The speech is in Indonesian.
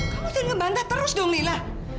kamu jadi ngebantah terus dong lila